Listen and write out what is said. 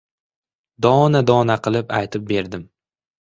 Dona-dona qilib aytib berdim.